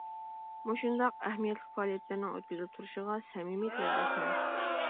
مۇشۇنداق ئەھمىيەتلىك پائالىيەتلەرنىڭ ئۆتكۈزۈلۈپ تۇرۇشىغا سەمىمىي تىلەكداشمەن.